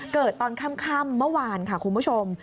ตอนค่ำเมื่อวานค่ะคุณผู้ชม